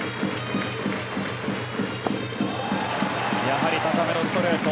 やはり高めのストレート。